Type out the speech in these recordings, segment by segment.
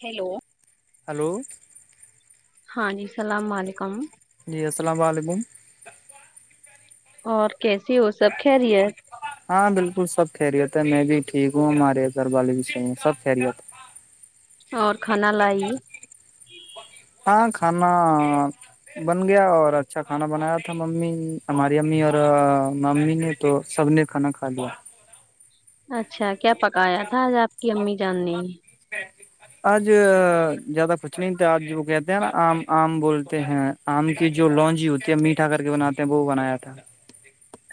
hello hello ہاں جی السلام علیکم جی السلام علیکم اور کیسی ہو سب خیریت ہاں بالکل سب خیریت ہے میں بھی ٹھیک ہوں ہمارے گھر والے بھی صحیح ہے سب خیریت اور کھانا لائی ہاں کھانا بن گیا اور اچھا کھانا بنایا تھا ممی ہماری امی اور ممی نے تو سب نے کھانا کھا لیا اچھا کیا پکایا تھا اپ کی امی جان نے اج زیادہ کچھ نہیں وہ کہتے ہیں نا آم بولتے ہیں آم کی جو لونجی ہوتی ہے میٹھا کر کے بناتے ہیں وہ بنایا جاتا ہے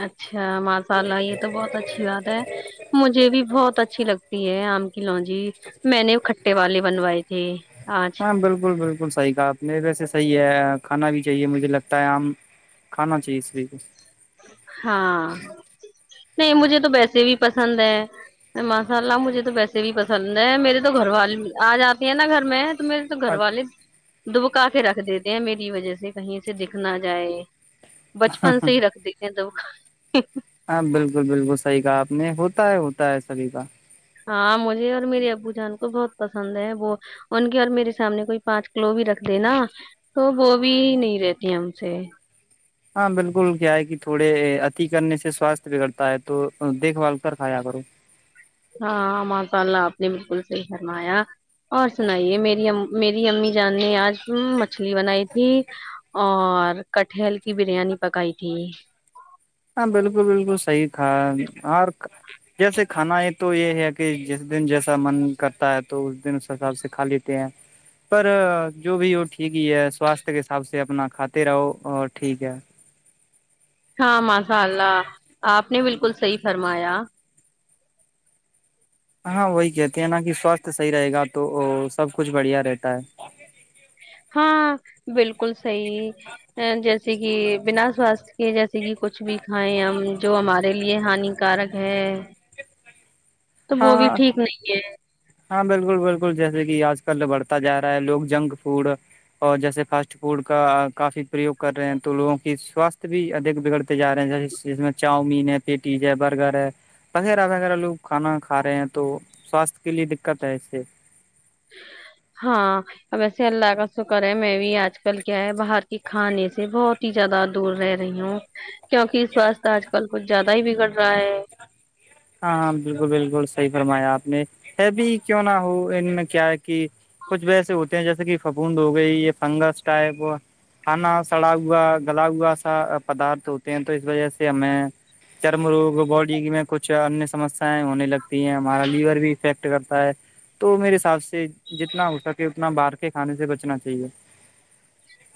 اچھا ماشاءاللہ یہ تو بہت اچھی بات ہے مجھے بھی بہت اچھی لگتی ہے آم کی کی لونجی والے بنوائے تھے آج ہاں بالکل بالکل بالکل صحیح کہا آپ نے ویسے صحیح ہے کھانا بھی چاہیے مجھے لگتا ہے آم کھانا چاہیے سبھی کو ہاں نہیں مجھے تو ویسے بھی پسند ہیں ماشاءاللہ مجھے تو ویسے بھی پسند ہے میرے تو گھر والے آج آتے ہیں نہ گھر میں میرے تو گھر والے تو وہ کہاں کے رکھ دیتے ہیں میری وجہ سے کہیں سے دکھ نہ جائے بچپن سے ہی رکھ دی [unintelligible] ہاں بالکل بالکل صحیح کہا اپ نے ہوتا ہے ہوتا ہے سبھی کا ہاں مجھے اور میرے ابو جان کو بہت پسند ہے وہ ان کی اور میرے سامنے کوئی پانچ کلو بھی رکھ دینا تو وہ بھی نہیں رہتی ہے ہم سے ہاں بالکل گی تھوڑے اتی کرنے سے سواست بگڑتا ہے تو دیکھ بھال کر کھایا کرو ہاں ماشاءاللہ اپنی بالکل صحیح فرمایا اور سنائیے میری میری امی جانی ہے آج مچھلی بنائی تھی [unintelligible] [unintelligible] [unintelligible] [unintelligible] ہا بلکل سہی ہ جے [unintelligible] [unintelligible] [unintelligible] [unintelligible] کھا رہے ہیں تو سواستھ کے لیے دقت ہے اس سے ہاں اس اللہ کاسو کرے میں آج کل کیا ہے باہر کی کھانے سے بہت ہی زیادہ دور رہ رہی ہوں کیونکہ اس واست آج کل کچھ زیاد ہی بگڑ جائے ہاں ہاں بالکل بالکل صحیح فرمایا آپ نے ہے بھی کیوں نہ ہو ان میں کیا ہے کہ کچھ وجیسے ہوتے ہیں جیسے کہ پھپوڈ ہو گئی یہ فنگس ٹائپ کھانا سڑا ہوا گلا ہوا سا پدارتھ ہوتے ہیں تو اس وجہ سے ہمیں چرم روگ باڈی کی میں کچھ اچ انیہ سمسیایں ہونے لگتی ہیں ہمارا لیور بھی افیکٹ کرتا ہے تو میرے حساب سے جتنا ہو سکے اتنا باہر کے کھانے سے بچنا چاہیے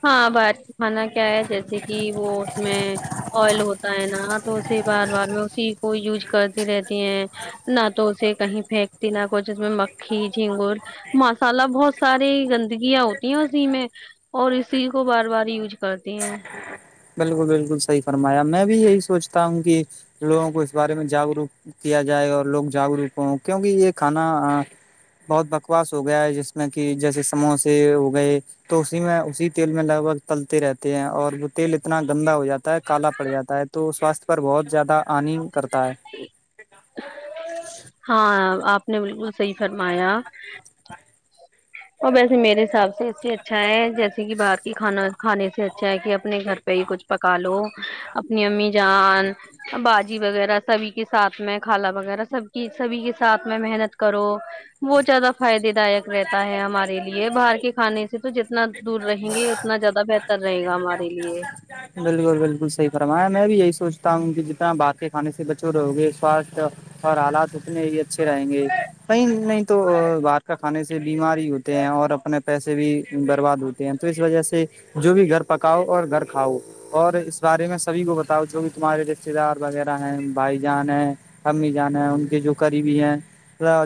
ہاں باہر کھانا کیا ہے جیسے کہ وہ اس میں آئل ہوتا ہے نا تو اسے بار بار میں اسی کو یوز کرتی رہتی ہیں نہ تو اسے کہیں پھینکتی نہ کچھ ج اس میں مکھی جھینگور مسالہ بہت ساری گندگیاں ہوتی ہیں اسی میں اور اسی کو بار بار یوز کرتی ہیں بالکل بالکل صحیح فرمایا میں بھی یہی سوچتا ہوں کہ لوگوں کو اس بارے میں جاگروک کیا جائے اور لوگ جاگروک ہوں کیوںکہ یہ کھانا بہت بکواس ہو گیا ہے جس میں کہ جیسے سموسے ہو گئے تو اسی میں اسی تیل میں لگ بگ تلتے رہتے ہیں اور وہ تیل اتنا گندا ہو جاتا ہے کالا پڑ جاتا ہے تو ساستھ پر بہت زیادہ ہانی کرتا ہے ہاں آپ نے بالکل سیفرمایہ [unintelligible] اور ویسے میرے حساب سے اس سے اچھا ہے جیسے کہ باہر کی کھانا کھانے سے اچھا ہے کہ اپنے گھر پہ ہی کچھ پکا لو اپنی امی جان باجی وغیرہ سبھی کے ساتھ میں کھالا وغیرہ سب کی سبھی کے ساتھ میں محنت کرو بہت زیادہ فائدے دائک رہتا ہمارے لیے باہر کے کھانے سے تو جنا اتنا دور رہیں گے اتنا زیادہ بہتر رہے گا ہمارے لیے بالکل بالکل صحیح فرمایا میں بھی یہی سوچتا ہوں کہ جتنا باہر کے کھانے سے بچو رہو گے سوستھ اور حالات اتنے ہی اچھے رہیں گے کہئی نہیں تو باہر کا کھانے سے بیمار ہی ہوتے ہیں اور اپنے پیسے بھی برباد ہوتے ہیں تو اس وجہ سے جو بھی گھر پکاؤ اور گھر کھاؤ اور اس بارے میں سبھی کو بتاؤ جو بھی تمہارے رشتے دار وغیرہ ہیں بھائی جان ہیں امی جان ہیں ان کے جو قریبی ہیں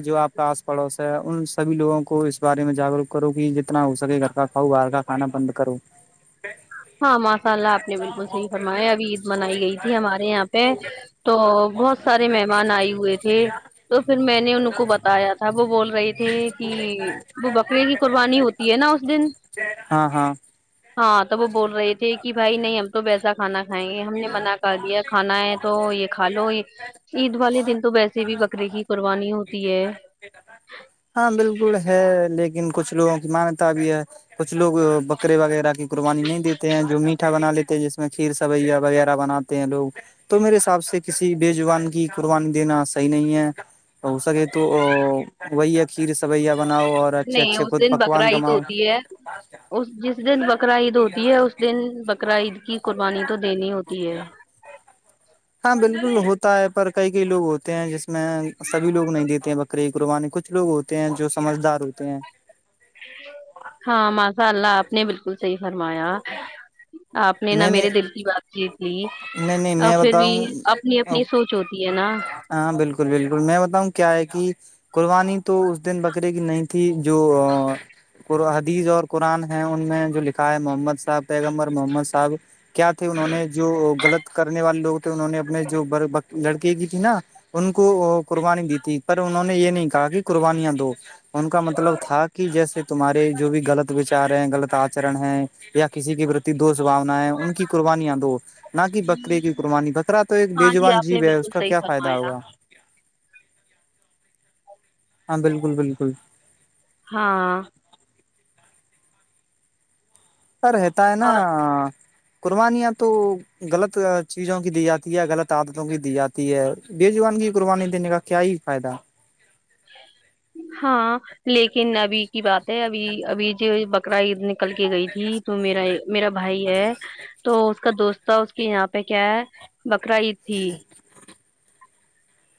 جو آپ کا آس پڑوس ہے ان سبھی لوگوں کو اس بارے میں جاگروک کرو کہ جتنا ہو سکے گھر کا ہ بار کاا کھانا بند کرو ہاں ماشاء اللہ آپ نے بالکل صحیح فرمایا ابھی عید منائی گئی تھی ہمارے یہاں پہ تو بہت سارے مہمان آئے ہوئے تھے تو پھر میں نے ان کو بتایا تھا وہ بول رہے تھے کہ وہ بکرے کی قربانی ہوتی ہے نا اس دن ہاں [unintelligible] تو وہ بول رہے تھے کہ بھائی نہیں ہم تو ویسا کھانا کائیں گے ہم نے منع کر دیا کھانا ہے تو یہ کھا لو یہ عید والے دن تو ویسے بھی بکرے کی قربانی ہوتی ہے ہاں بالکل ہے لیکن کچھ لوگوں کی مانتا بھی ہے کچھ لوگ بکرے وغیرہ کی قربانی نہیں دیتے ہیں جو میٹھا بنا لیتے جس میں کھیر سویا وغیرہ بناتے ہیں لوگ تو میرے حساب سے کسی بےجبان کی قربانی دینا صحیح نہیں ہے [inaudible] کھیر سبیا نہیں اس دن بقرا عید ہوتی ہے اس جس دن بقر عید ہوتی ہے اس دن بقر عید کی قربانی تو دینی ہوتی ہے ہاں بالکل ہوتا ہے [inaudible] پر کئی کئی لگ ہوتے جس میں سبھی لوگ نہیں دیتے ہیں بکرے کچھ لوگ ہوتے ہیں جو سمجھدار ہوتے ہیں ہاں ماشاء اللہ آپ نے بالکل صحیح فرمایا آپ نا میں نے میرے دل کی بات جیت لی نہیں نہیں آ، میں پھر بھی بتاؤں اپنی اپنی سوچ ہوتی ہے نا ہاں بالکل بالکل میں بتاؤں کیا ہے کہ قربانی تو اس دن بکرے کی نہیں تھی جو حدیث اور قرآن ہے ان میں جو لکھا ہے محمد صاحب پیغمبر م حب کیا تھے انہوں نے جو غلط کرنے والے لوگ انہوں نے اپنے جو لڑکی کی تھی نا ان کو قربانی دی تھی پر انہوں نے یہ نہیں کہا کہ قربانیاں دو ان کا مطلب تھا کہ جیسے تمہارے جو بھی غلط وچار ہیں غلط آچرن ہیں یا کسی کے پرتی دوست ان کی قربانیاں دو نہ کہ بکرے کی قربانی بکرا تو ایک ہاں جی بےجوان آپ نے جیب ہے اس بالکل کا صحیح کیا فائدہ فرمایا ہوا ہاں بالکل بالکل ہاں سر ہوتا ہے نا اور قربانیاں تو غلط چیزوں کی دی جاتی ہے غلط عادتوں کی دی جاتی ہے بےجبان کی قربانی دینے کا کیا ہی فائدہ ہاں لیکن کرائی اتنی [inaudible] نکل کی گئی تھی تو میرا میرا بھائی ہے تو اس کا دوستتا تھا اس کے یہاں پ پہ کیا ہے بقرا عید تھی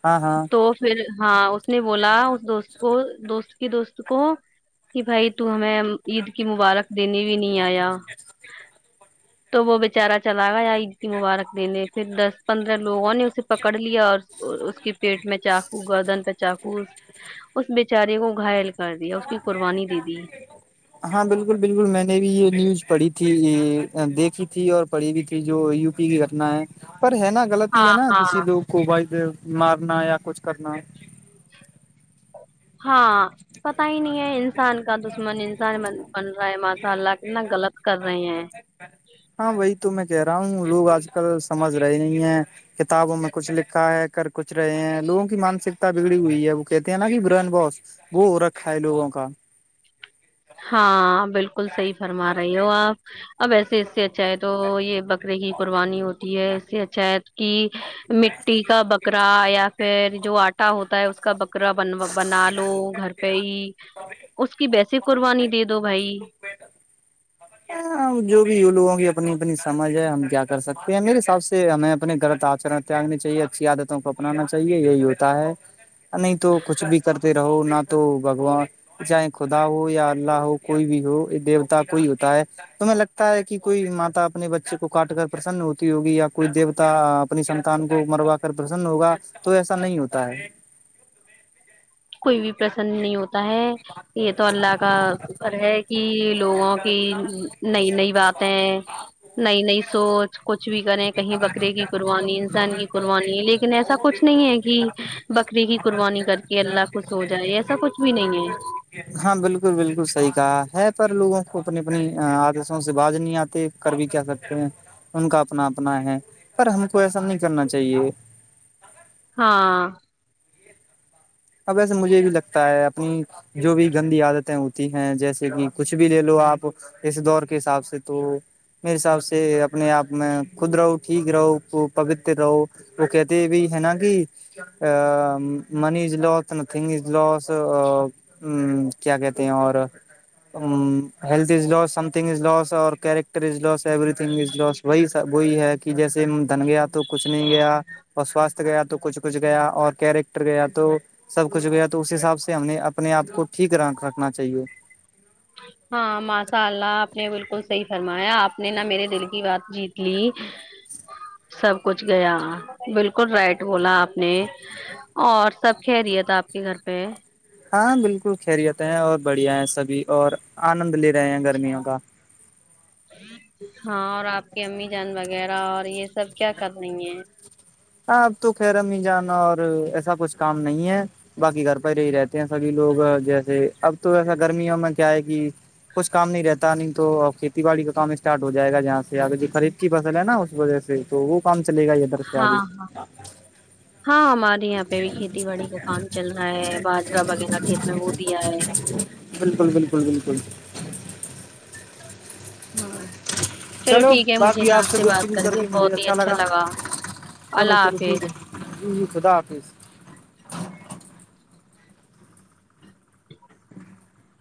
ہاں ہاں تو پھر ہاں نے بولا اس دوست کو دوست دوست کو کہ بھائی تو ہمیں عید کی مبارک دنی بھی نہیں آیا تو وہ بچارا چلا گیا یا کی مبارک دینے پھر دس پندرہ لوگوں نے اسے پکڑ لیا اور اس کی میں چاقا [inaudible] چاقوس اس بچارے کو گائل کر دیا اس کی قربانی دے دی ہاں بالکل بالکل میں نے بھی یہ نیوز پڑھی تھی تھی دیکھی تھی اور پڑھی بھی تھی جو یو کی گٹنا ہے پر ہے نا غط ہاں ہے نا ہاں کسی لوگ کو ب مارنا یا کچھ کرنا ہاں پتا ہی نہیں انسان کا دشمن انسان بن رہا ہے ماشاء اللہ کتنا غلط کر رہے ہیں ہاں وہی تو میں کہہ رہا ہوں لوگ آج کل سمجھ رہے نہیں ہے کتابوں میں کچھ لکھا ہے کر کچھ رہے ہیں لوگوں کی مانسکتا بگڑی ہوئی ہے وہ کہتے ہیں نا کہ برن بوس وہ ہو رکھا ہے لوگوں کو [inaudible] ہاں بالکل صحیح فرما رہی ہو آپ اب ایسے اس سے اچھا ہے تو یہ بکرے کی قربانی ہوتی ہے اس سے اچھا ہے کہ مٹی کا بکرا یا پھر جو آٹا ہوتا ہے اس کا بکرا بن بنا لو گھر پہ ہی اس کی بییس قربانی دے دو بھائی جو بھی یہ لوگوں کی اپنی اپنی سمجھ ہے ہم کیا کر سکتے ہیں میرے حساب سے ہمیں اپنے گھر آر تیاگنی چاہیے اچھی عادتوں کو اپنانا چاہیے یہی ہوتا ہے نہیں تو کچھ بھی کرتے رہو نہ تو بگوان چاہے خدا ہو یا اللہ ہو کوئی بھی ہو دیوتا کوئی ہوتا ہے تو ہم لگتا ہے کہ کوئی ماتا اپنے بچے کو کاٹ کر پرسن ہوتی ہوگی یا کوئی دیوتا اپنی سنتان کو مروا کر پرسن ہوگا تو ایسا نہیں ہوتا ہے کوئی بھی پرسن نہیں ہوتا ہے یہ تو اللہ کا شکر ہے کہ لوگوں کی نئی نئی باتیں نئی نئی سوچ کچھ بھی کریں کہیں بکرے کی قربان انسان کی قربانی لیکن ایسا کچھ نہیں ہے کہ بکرے کی قربانی کر کے اللہ خوش ہو جائے ایسا کچھ بھی نہیں ہے ہاں بالکل بالکل صحی کہا ہے پر لوگوں کو اپنی اپنی آدشوں سے باز نہیں آتے کر بھی کیا سکتے ہیں ان کا اپنا اپنا ہے پر ہم کو ایسا نہیں کرنا چاہیے ہاں اب وسے مجھے بھی لگتا ہے اپنی جو بھی گندی عادتیں ہوتی ہیں جیسے کہ کچھ بھی لے لو آپ اس دور کے حساب سے تو میرے حساب سے اپنے آپ میں خود رہو ٹھیک رہو پوتر رہو وہ کہتے بھی ہے نا کہ منیش لسنگ از لس کیا کہتے ہیں اور health is loss something is لاس اور character is loss everything is لاس وہی وہی ہے کہ جیسے دھن گیا تو کچھ نہیں گیا اور سواستھ گیا تو کچھ کچھ گیا اور کیریکٹر گیا تو سب کچھ گیا تو اس حساب سے ہم نے اپنے آپ کو ٹھیک رہ ہاں ماشاء اللہ آپ نے بالکل صحیح [unintelligible] آپ نے نہا میرے دل کی بات جیت لی سب کچھ گیا بالکل رائٹ بولا آپ نے اور سب کہہ دیا تھا آپ کے گھر پہ ہاں بالکل خیریت ہیں اور بڑھیا ہے سبھی اور آنند لے رہے ہیں اچھا، گرمیوں کا ہاں اور آپ کی امی جان با وغیرہ اور یہ سب کیا کر رہی ہیں ہاں اب تو خیر میں ہی جانا اور ایسا کچھ کام نہیں ہے باقی گھر پر ہی ہی رہتے ہیں سبھی لوگ جیسے اب تو ایسا گرمیوں میں کیا ہے کہ کچھ کام نہیں رہتا نہیں تو کھیتی باڑی کا کام اسٹارٹ ہو جائے گا جہاں سے اگر خرید کی فصل ہے نا اس وجہ سے تو وہ کام چلے گا یہ ادھر سے آدھی ہاں ہاں ہمارے یہاں پہ بھی کھیتی باڑی کا کام چل رہا ہے باجرا وغیرہ کھیت میں وہ دیا ہے بالکل بالکل بالکل ہاں چلو باقی آپ سے گچل کر کے مجھے اچھا لگا چلو اللہ چلو حافظ ٹھیک ہے ج خدا حافظ [unintelligible]